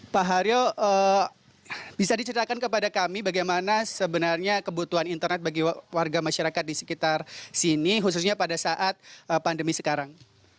pak haryo bisa diceritakan kepada kami bagaimana sebenarnya kebutuhan internet bagi warga masyarakat di sekitar sini khususnya pada saat pandemi sekarang